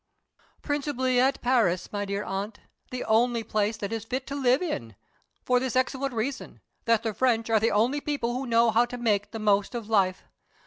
"Principally at Paris, my dear aunt. The only place that is fit to live in for this excellent reason, that the French are the only people who know how to make the most of life.